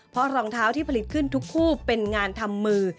เพราะรองเท้าที่ผลิตขึ้นทุกคู่เป็นงานทำมือ